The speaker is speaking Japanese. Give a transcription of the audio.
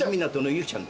ゆうちゃん。